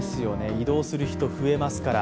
移動する人、増えますから。